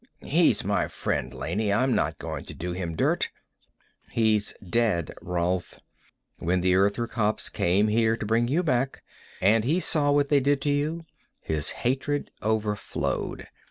He's my friend, Laney; I'm not going to do him dirt." "He's dead, Rolf. When the Earther cops came here to bring you back, and he saw what they did to you, his hatred overflowed.